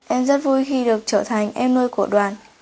em rất vui khi được trở thành em nuôi của đoàn